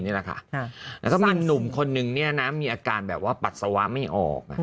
นี่แหละค่ะแล้วก็มีหนุ่มคนนึงเนี่ยนะมีอาการแบบว่าปัสสาวะไม่ออก